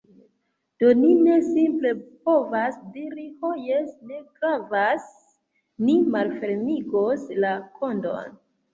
Do, ni ne simple povas diri, "Ho jes, ne gravas... ni malfermigos la kodon"